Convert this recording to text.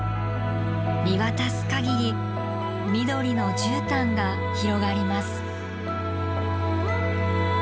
見渡すかぎり緑のじゅうたんが広がります。